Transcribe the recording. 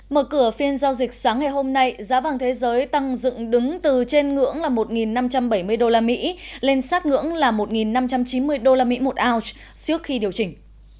mở cửa phiên giao dịch sáng ngày hôm nay giá vàng thế giới tăng dựng đứng từ trên ngưỡng là một năm trăm bảy mươi usd lên sát ngưỡng là một năm trăm chín mươi usd một ounce trước khi điều chỉnh